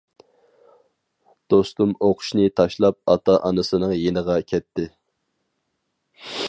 دوستۇم ئوقۇشىنى تاشلاپ ئاتا-ئانىسىنىڭ يېنىغا كەتتى.